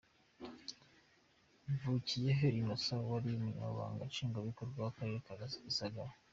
Mvukiyehe Innocent wari umunyamabanga nshingwabikorwa w’akarere ka Gisagara